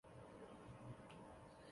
耶涯大坝则位在此镇。